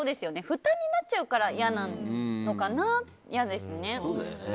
負担になっちゃうから嫌なのかな。